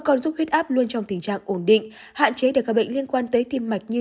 con giúp huyết áp luôn trong tình trạng ổn định hạn chế được các bệnh liên quan tới tim mạch như